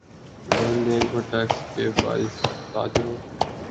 لین دین پر ٹیکس کے باعث تاجروں